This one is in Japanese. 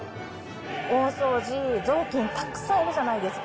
大掃除、雑巾たくさんいるじゃないですか。